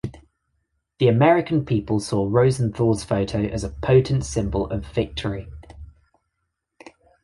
The American people saw Rosenthal's photo as a potent symbol of victory.